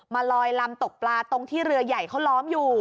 ลอยลำตกปลาตรงที่เรือใหญ่เขาล้อมอยู่